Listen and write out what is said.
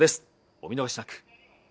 お見逃しなく。